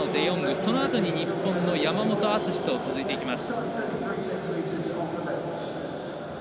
そのあとに日本の山本篤と続いていきます。